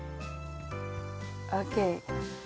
ＯＫ！